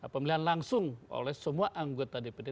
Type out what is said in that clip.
pemilihan langsung oleh semua anggota dpd